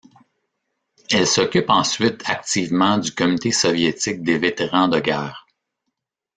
Elle s'occupe ensuite activement du Comité soviétique des vétérans de guerre.